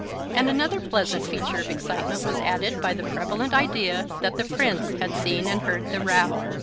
And another pleasant feature of excitement was added by the prevalent idea that the Prince had seen and heard the row.